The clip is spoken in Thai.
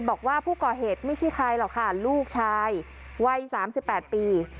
บอกว่าผู้ก่อเหตุไม่ใช่ใครหรอกค่ะลูกชายวัย๓๘ปี